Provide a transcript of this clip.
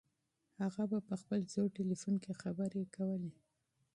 هغه په خپل زوړ تلیفون کې خبرې کولې.